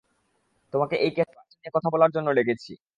তোমাকে এই কেসটা নিয়ে কথা বলার জন্য ডেকেছি।